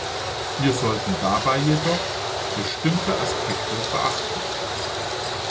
Wir sollten dabei jedoch bestimmte Aspekte beachten.